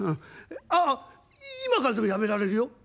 ああ今からでもやめられるよ」。